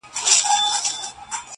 څوک نیژدې نه راښکاریږي-